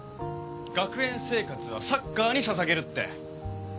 学園生活はサッカーに捧げるって。